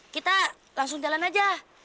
kita langsung jalan aja